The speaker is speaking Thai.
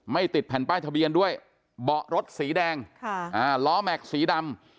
ติดแผ่นป้ายทะเบียนด้วยเบาะรถสีแดงล้อแม็กซ์สีดำ